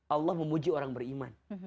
allah memuji orang beriman